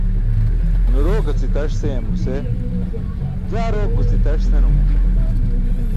Une rok aci taṣ seyam nuse jaa rok guci taṣ senumo.